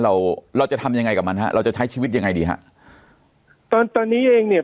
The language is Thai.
เราเราจะทำยังไงกับมันฮะเราจะใช้ชีวิตยังไงดีฮะตอนตอนนี้เองเนี่ย